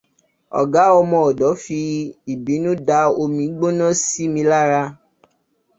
Ọ̀gá ọmọ ọ̀dọ̀ fi ìbínú dá omi gbóná sí mi lára.